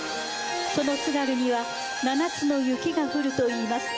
その津軽には七つの雪が降るといいます。